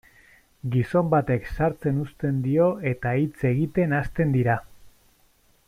Gizon batek sartzen uzten dio eta hitz egiten hasten dira.